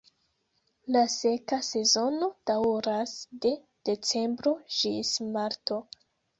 La seka sezono daŭras de decembro ĝis marto.